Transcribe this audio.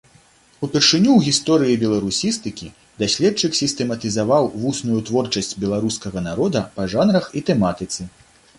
Упершыню ў гісторыі беларусістыкі даследчык сістэматызаваў вусную творчасць беларускага народа па жанрах і тэматыцы.